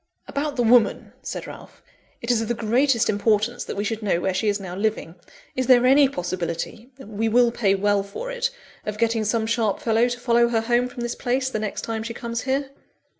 "About the woman," said Ralph; "it is of the greatest importance that we should know where she is now living. Is there any possibility (we will pay well for it) of getting some sharp fellow to follow her home from this place, the next time she comes here?"